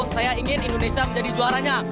saya ingin indonesia menjadi juaranya